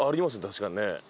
確かにね。